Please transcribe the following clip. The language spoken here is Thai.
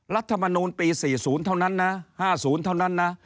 รัฐมนูลปี๔๐เท่านั้นนะ๕๐เท่านั้นนะ